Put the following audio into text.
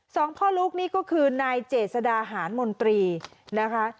สองพ่อลูกนี่ก็คือนายเจษดาหารมนตรีนะคะ